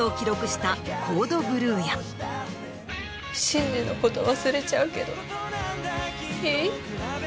真司のこと忘れちゃうけどいい？